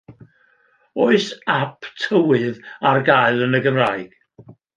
Oes ap tywydd ar gael yn Gymraeg?